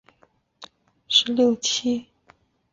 毕业于黄埔第十六期。